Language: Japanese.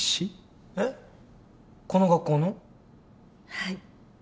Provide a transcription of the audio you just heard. はい。